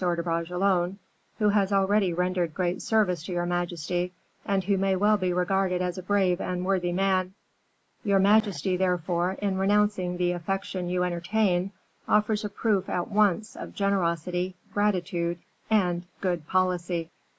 de Bragelonne, who has already rendered great service to your majesty, and who may well be regarded as a brave and worthy man. Your majesty, therefore, in renouncing the affection you entertain, offers a proof at once of generosity, gratitude, and good policy."